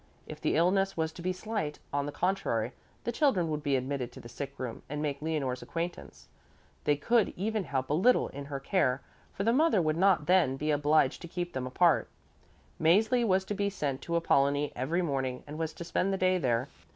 If the illness was to be slight, on the contrary, the children would be admitted to the sick room and make Leonore's acquaintance. They could even help a little in her care, for the mother would not then be obliged to keep them apart. Mäzli was to be sent to Apollonie every morning and was to spend the day there.